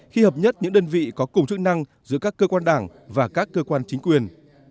khi hợp nhất những đơn vị có cùng chức năng giữa các cơ quan đảng và các cơ quan chính quyền